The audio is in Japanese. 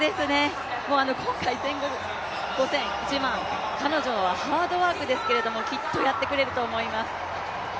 今回、１５００、５０００、１００００、彼女はハードワークですがきっとやってくれると思います。